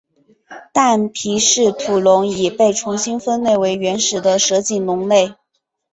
但皮氏吐龙已被重新分类为原始的蛇颈龙类。